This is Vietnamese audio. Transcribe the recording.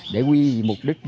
để quy mục đích của quốc gia